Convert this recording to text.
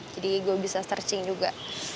jadi gue bisa searching juga